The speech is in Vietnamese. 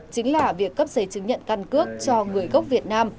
chính là việc cấp giấy chứng nhận căn cước cho người gốc việt nam